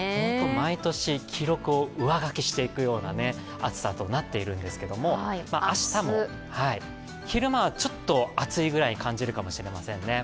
毎年記録を上書きしていくような暑さとなっているんですけれども明日も昼間はちょっと暑いくらいに感じるかもしれませんね。